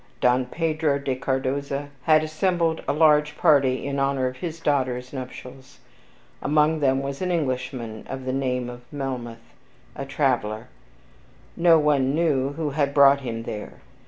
Don Pedro de Cardoza had assembled a large party in honor of his daughter's nuptials; among them was an Englishman of the name of MELMOTH, a traveler; no one knew who had brought him there.